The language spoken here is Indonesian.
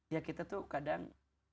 ya kita tuh kadang